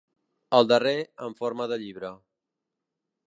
El darrer, en forma de llibre.